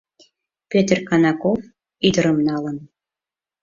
Пӧтыр Конаков ӱдырым налын.